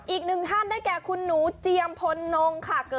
อีกหนึ่งท่านได้แก่คุณหนูเจียมพลนงค่ะ